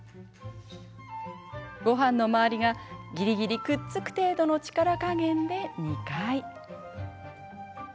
ごはんのまわりが、ぎりぎりくっつく程度の力加減で２回。